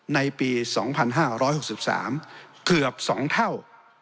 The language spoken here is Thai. ในปีสองพันห้าร้อยหกสิบสามเกือบสองเท่า